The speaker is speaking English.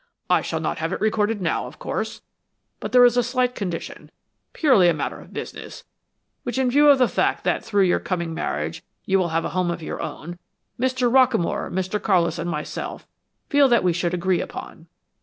I shall not have it recorded now, of course, but there is a slight condition, purely a matter of business, which in view of the fact that through your coming marriage you will have a home of your own, Mr. Rockamore, Mr. Carlis and myself, feel that we should agree upon.